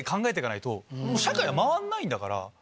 社会は回らないんだから。